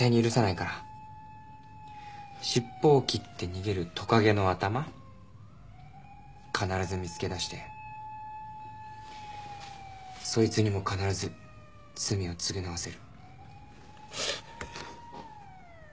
尻尾を切って逃げるトカゲの頭必ず見つけ出してそいつにも必ず罪を償わせる。